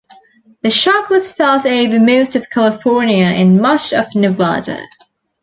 The shock was felt over most of California and much of Nevada.